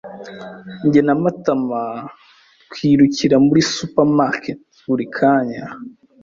Jye na Matama twirukira muri supermarket buri kanya.